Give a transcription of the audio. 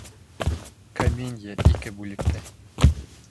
Комедия, ике бүлектә